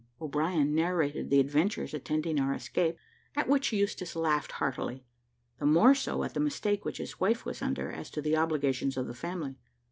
O'Brien narrated the adventures attending our escape, at which Eustache laughed heartily; the more so, at the mistake which his wife was under, as to the obligations of the family.